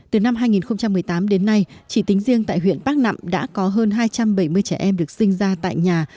từ năm hai nghìn một mươi tám đến nay chỉ tính riêng tại huyện bắc nẵm đã có hơn hai trăm bảy mươi trẻ em được sinh ra tại nhà